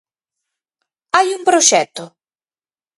¿Hai un proxecto?